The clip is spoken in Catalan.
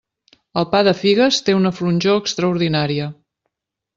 El pa de figues té una flonjor extraordinària.